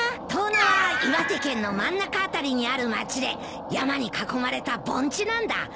遠野は岩手県の真ん中辺りにある町で山に囲まれた盆地なんだ。